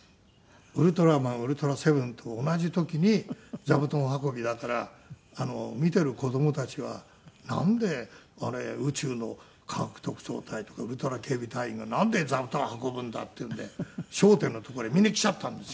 『ウルトラマン』『ウルトラセブン』と同じ時に座布団運びだから見ている子供たちはなんで宇宙の科学特捜隊とかウルトラ警備隊員がなんで座布団運ぶんだっていうんで『笑点』の所へみんな来ちゃったんですよ。